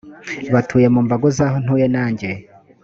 batuye mu mbago z’aho ntuye nanjye